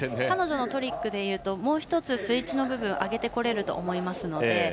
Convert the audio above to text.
彼女のトリックだったらもう１つ、スイッチの部分上げてこれると思いますので。